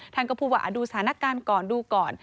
ท่านก็พูดว่าดูสถานการณ์ก่อนดูก่อน